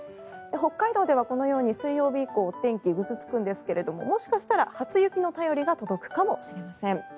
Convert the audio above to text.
北海道ではこのように水曜日以降はお天気、ぐずつくんですがもしかしたら初雪の便りが届くかもしれません。